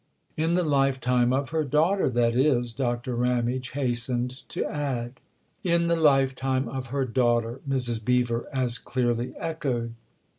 THE OTHER HOUSE C9 " In the lifetime of her daughter, that is," Doctor Ramage hastened to add. " In the lifetime of her daughter," Mrs. Beever as clearly echoed.